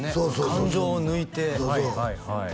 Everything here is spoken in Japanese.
感情を抜いてはい